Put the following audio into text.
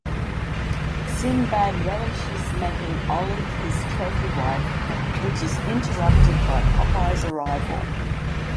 Sinbad relishes making Olive his trophy wife, which is interrupted by Popeye's arrival.